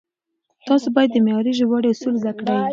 تاسو بايد د معياري ژباړې اصول زده کړئ.